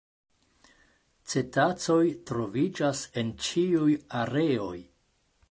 Cetacoj troviĝas en ĉiuj areoj.